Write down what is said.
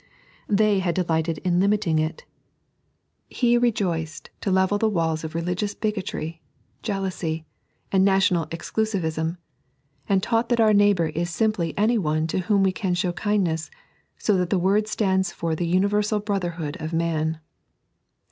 They had delighted in limiting it. He rejoiced to level the wails of rehgious bigotry, jealousy, 3.n.iized by Google 92 "Pbefbct as Goo." and nation&l exclusiviem, and taught that our neighbour is simply aayone to whom we can show kinduess, bo that tbb word stands for the univereal brotherhood of man.